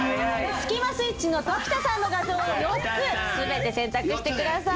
スキマスイッチの常田さんの画像を４つ全て選択してください。